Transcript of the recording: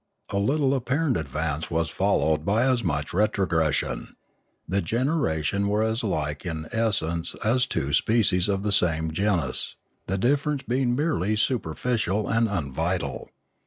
A little ap parent advance was followed by as much retrogression; the generations were as like in essence as two species of the same genus, the difference being merely super ficial and unvital.